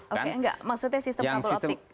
oke enggak maksudnya sistem kabel optik